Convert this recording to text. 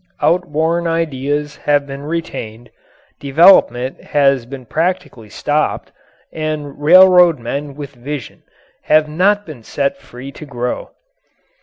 Outworn ideas have been retained, development has been practically stopped, and railroad men with vision have not been set free to grow.